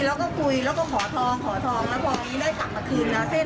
แล้วก็คุยแล้วก็ขอทองขอทองแล้วพอมีอะไรขับมาคืน